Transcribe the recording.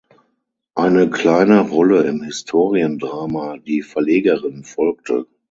Eine kleine Rolle im Historiendrama "Die Verlegerin" folgte.